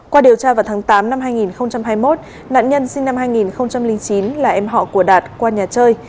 qua điều tra vào tháng tám năm hai nghìn hai mươi một nạn nhân sinh năm hai nghìn chín là em họ của đạt qua nhà chơi